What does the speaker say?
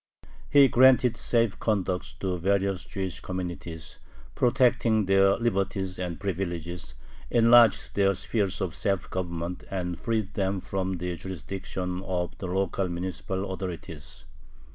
He granted safe conducts to various Jewish communities, protecting their "liberties and privileges," enlarged their sphere of self government, and freed them from the jurisdiction of the local municipal authorities.